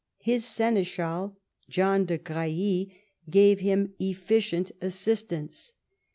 His seneschal John de Grailly gave him efficient assistance.